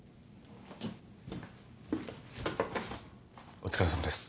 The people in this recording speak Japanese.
お疲れさまです。